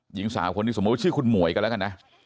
หญิงสาวคนนี้สมมุติว่าชื่อคุณหมวยกันแล้วกันนะ